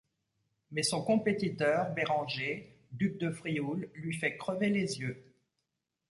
Mais son compétiteur Béranger, duc de Frioul, lui fait crever les yeux.